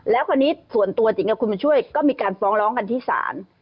แล้วคราวนี้ส่วนตัวจริงกับคุณบุญช่วยก็มีการฟ้องร้องกันที่ศาล